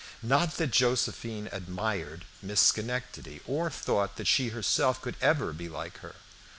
Not that Josephine admired Miss Schenectady, or thought that she herself could ever be like her.